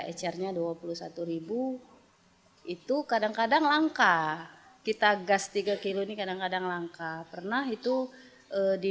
ecernya dua puluh satu itu kadang kadang langka kita gas tiga kg ini kadang kadang langka pernah itu di